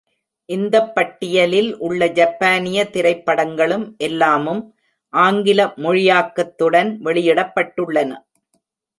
இந்தப் பட்டியலில் உள்ள ஜப்பானிய திரைப்படங்களும் எல்லாமும் ஆங்கில-மொழியாக்கத்துடன் வெளியிடப்பட்டுள்ளன.